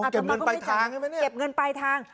อย่างนั้นแน่แกะเงินไปทาง